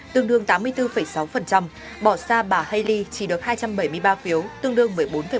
tương đương tám mươi bốn sáu bỏ xa bà haley chỉ được hai trăm bảy mươi ba phiếu tương đương một mươi bốn bảy